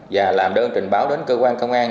và làm đơn trình báo đến cơ quan công an